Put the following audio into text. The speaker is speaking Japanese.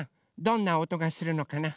どんなおとがするのかな？